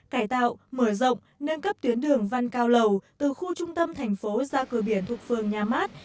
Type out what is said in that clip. cải tạo mở rộng nâng cấp tuyến đường văn cao lầu từ khu trung tâm thành phố ra cửa biển thuộc phường nhà mát